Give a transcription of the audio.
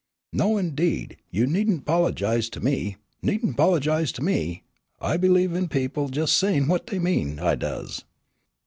"No, indeed, you needn't 'pologize to me! needn't 'pologize to me. I b'lieve in people sayin' jes' what dey mean, I does.